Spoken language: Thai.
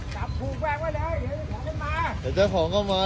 จับคู่แปลกไว้เลยเดี๋ยวเจ้าของก็มา